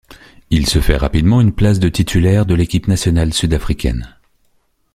Il se fait rapidement une place de titulaire de l'équipe nationale sud-africaine.